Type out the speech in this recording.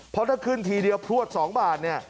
เพราะถ้าขึ้นทีเดียวพลวด๒บาทเนี่ย